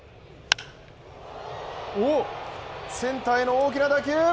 センターへの大きな打球